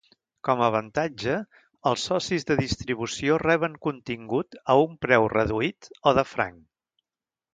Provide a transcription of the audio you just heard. Com a avantatge, els socis de distribució reben contingut a un preu reduït o de franc.